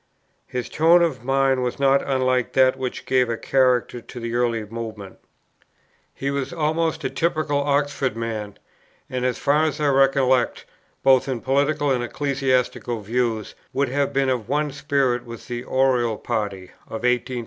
His tone of mind was not unlike that which gave a character to the early Movement; he was almost a typical Oxford man, and, as far as I recollect, both in political and ecclesiastical views, would have been of one spirit with the Oriel party of 1826 1833.